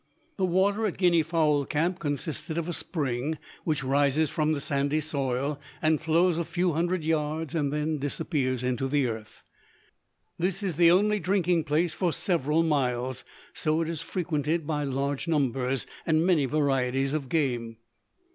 The water at guinea fowl camp consisted of a spring which rises from the sandy soil and flows a few hundred yards, and then disappears into the earth. This is the only drinking place for several miles, so it is frequented by large numbers and many varieties of game.